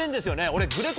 俺。